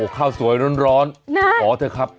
ข้าวสวยร้อนขอเถอะครับ